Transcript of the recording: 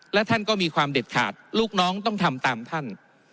และท่านก็มีความเด็ดขาดลูกน้องต้องทำตามท่าน